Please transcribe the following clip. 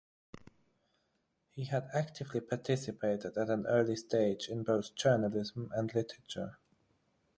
He had actively participated at an early stage in both journalism and literature.